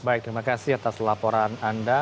baik terima kasih atas laporan anda